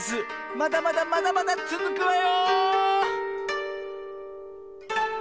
まだまだまだまだつづくわよ！